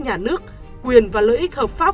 nhà nước quyền và lợi ích hợp pháp